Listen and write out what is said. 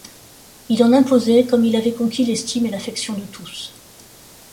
Il en imposait, comme il avait conquis l'estime et l'affection de tous.